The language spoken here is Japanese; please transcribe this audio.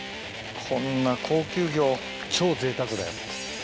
こんな高級魚を超ぜいたくだよ。